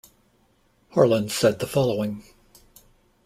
Harlan said the following.